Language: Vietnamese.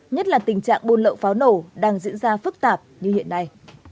nhất là tình trạng buôn lậu pháo nổ đang diễn ra phức tạp như hiện nay